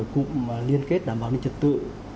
cụm liên kết đảm bảo an ninh trật tự